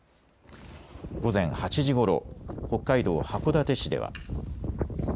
午前８時ごろ、北海道函館市では。